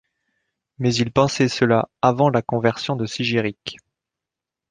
Mais il pensait cela avant la conversion de Sigéric.